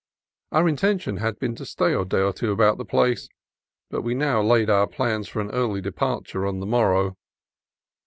Our intention had been to stay a day or two about the place, but we now laid our plans for an early departure on the morrow.